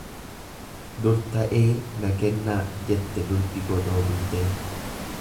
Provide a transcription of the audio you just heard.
Dur ta'ee na kennaa, jette durbi godoo bultee.